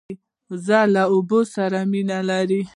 وزې له اوبو سره مینه لري